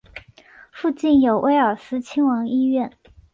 附近有威尔斯亲王医院。